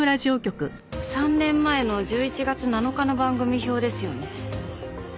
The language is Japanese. ３年前の１１月７日の番組表ですよね。